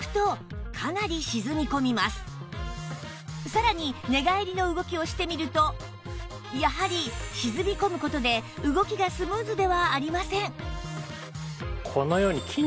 さらに寝返りの動きをしてみるとやはり沈み込む事で動きがスムーズではありません